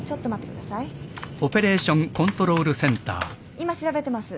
今調べてます。